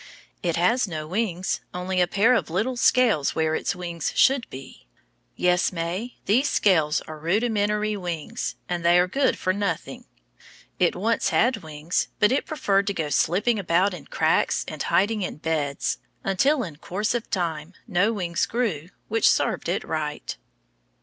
It has no wings, only a pair of little scales where its wings should be. Yes, May, these scales are rudimentary wings, and they are good for nothing. It once had wings, but it preferred to go slipping about in cracks and hiding in beds, until in course of time no wings grew, which served it right.